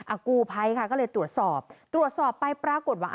กูภัยค่ะก็เลยตรวจสอบตรวจสอบไปปรากฏว่า